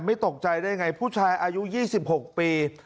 ไม่ตกใจได้ไงผู้ชายอายุ๒๖ปี